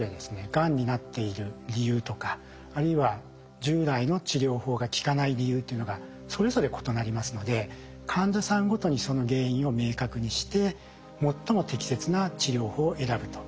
がんになっている理由とかあるいは従来の治療法が効かない理由というのがそれぞれ異なりますので患者さんごとにその原因を明確にして最も適切な治療法を選ぶと。